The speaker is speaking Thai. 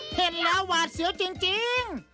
เห็นแล้วหวาดเสียวจริง